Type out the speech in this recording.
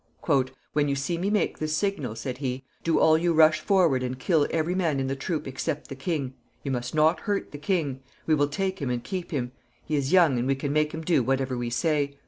"When you see me make this signal," said he, "do you all rush forward and kill every man in the troop except the king. You must not hurt the king. We will take him and keep him. He is young, and we can make him do whatever we say.